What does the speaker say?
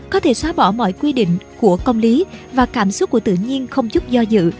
có thể xóa bỏ mọi quy định của công lý và cảm xúc của tự nhiên không chút do dự